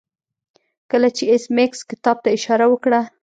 کله چې ایس میکس کتاب ته اشاره وکړه